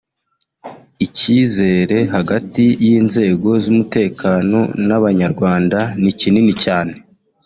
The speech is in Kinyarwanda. icyizere hagati y’inzego z’umutekano n’Abanyarwanda ni kinini cyane